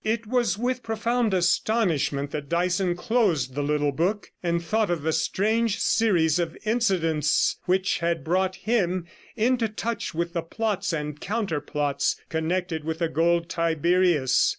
It was with profound astonishment that Dyson closed the little book, and thought of the strange series of incidents which had brought him into touch with the plots and counterplots connected with the Gold Tiberius.